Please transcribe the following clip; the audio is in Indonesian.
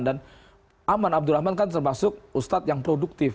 dan aman abdurrahman kan termasuk ustadz yang produktif